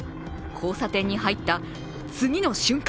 交差点に入った、次の瞬間！